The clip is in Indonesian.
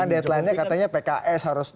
kan deadline nya katanya pks harus